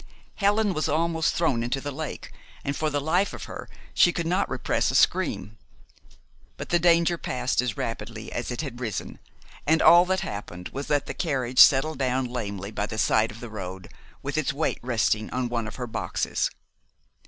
Helen was almost thrown into the lake, and, for the life of her, she could not repress a scream. But the danger passed as rapidly as it had risen, and all that happened was that the carriage settled down lamely by the side of the road, with its weight resting on one of her boxes.